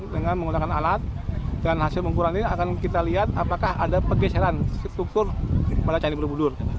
dengan hasil pengukuran ini akan kita lihat apakah ada pergeseran struktur pada candi borobudur